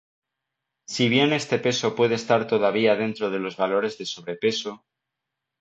Si bien este peso puede estar todavía dentro de los valores de sobrepeso